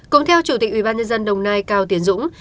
cũng theo chủ tịch ubnd đồng nai cao tiến dũng